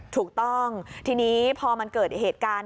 ถูกต้องทีนี้พอมันเกิดเหตุการณ์